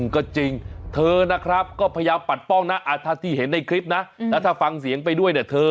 เกินไปแล้ว